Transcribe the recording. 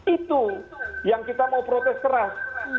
itu yang kita mau protes keras